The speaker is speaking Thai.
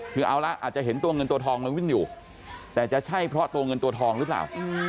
คือเอาละอาจจะเห็นตัวเงินตัวทองมันวิ่งอยู่แต่จะใช่เพราะตัวเงินตัวทองหรือเปล่า